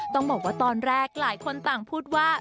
ต้องบอกว่าตอนแรกหลายคนต่างพูดว่า